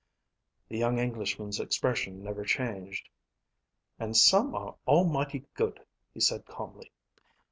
The young Englishman's expression never changed. "And some are almighty good," he said calmly.